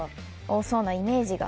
多そうなイメージが。